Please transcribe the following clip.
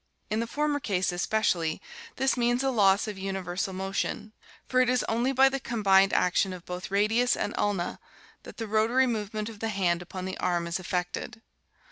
In the former case, especially, this means a loss of universal motion, for it is only by the combined action of both radius and ulna that the rotary movement of the hand upon the arm is effected.